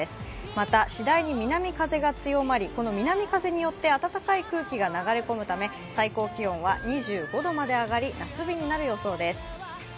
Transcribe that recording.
また次第に南風が強まり、この南風によって暖かい空気が流れ込むため最高気温は２５度まで上がり夏日になる予想です